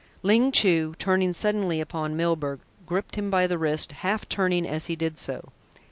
Ling Chu, turning suddenly upon Milburgh, gripped him by the wrist, half turning as he did so.